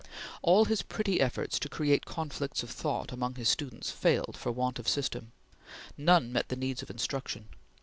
All his pretty efforts to create conflicts of thought among his students failed for want of system. None met the needs of instruction.